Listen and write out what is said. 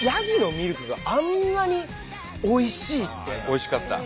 おいしかった。